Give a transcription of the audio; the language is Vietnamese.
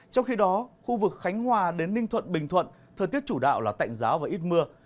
trong khi đó khu vực khánh hòa đến ninh thuận bình thuận thời tiết chủ đạo là tạnh giáo và ít mưa